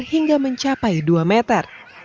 hingga mencapai dua meter